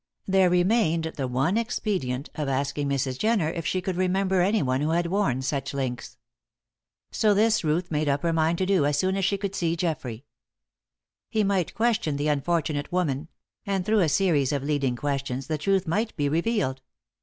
There remained the one expedient of asking Mrs. Jenner if she could remember anyone who had worn such links. So this Ruth made up her mind to do as soon as she could see Geoffrey. He might question the unfortunate woman; and through a series of leading questions the truth might be revealed.